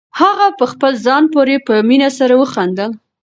هغه په خپل ځان پورې په مینه سره وخندل.